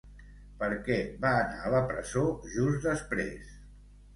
Per què va anar a la presó just després?